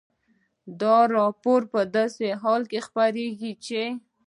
دا راپور په داسې حال کې خپرېږي چې